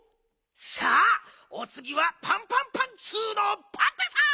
さあおつぎはパンパンパンツーのパンタさん！